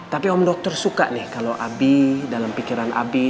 tapi om dokter suka nih kalau abi dalam pikiran abi